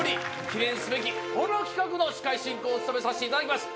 記念すべきこの企画の司会進行を務めさせていただきます